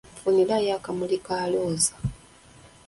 Nfunirayo akamuli ka Looza.